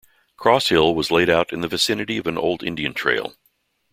Cross Hill was laid out in the vicinity of an old Indian trail.